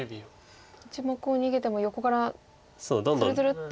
１目を逃げても横からツルツルッと。